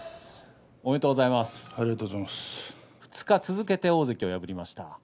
２日続けて大関を破りました。